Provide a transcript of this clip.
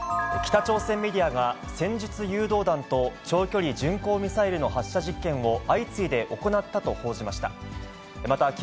北朝鮮メディアが、戦術誘導弾と長距離巡航ミサイルの発射実験を相次いで行ったと報じました。